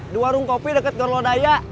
di warung kopi dekat gorlodaya